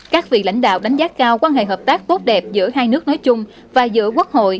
các vị lãnh đạo đánh giá cao quan hệ hợp tác tốt đẹp giữa hai nước nói chung và giữa quốc hội